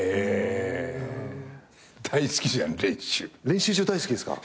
練習場大好きですか？